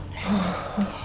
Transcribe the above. ya ya sih